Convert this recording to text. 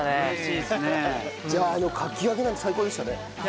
じゃああのかき上げなんて最高でしたね。